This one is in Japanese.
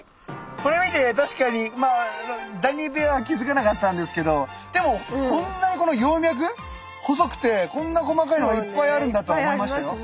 これ見て確かにダニ部屋は気付かなかったんですけどでもこんなにこの葉脈細くてこんな細かいのがいっぱいあるんだと思いましたよ。